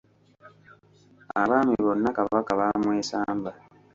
Abaami bonna Kabaka baamwesamba.